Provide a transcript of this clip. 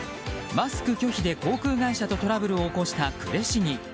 マスク拒否で航空会社とトラブルを起こした呉市議。